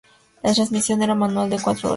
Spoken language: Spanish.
La transmisión era manual de cuatro velocidades.